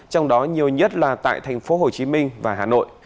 trong đó nhiều nhất là tại tp hcm và hà nội